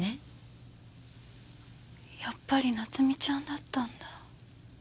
やっぱり菜津美ちゃんだったんだ。